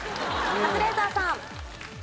カズレーザーさん。